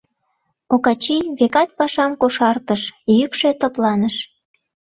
Окачий, векат, пашам кошартыш — йӱкшӧ тыпланыш.